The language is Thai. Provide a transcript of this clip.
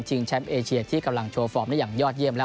แชมป์เอเชียที่กำลังโชว์ฟอร์มได้อย่างยอดเยี่ยมแล้ว